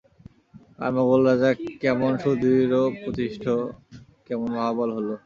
আর মোগল রাজা কেমন সুদৃঢ়প্রতিষ্ঠ, কেমন মহাবল হল।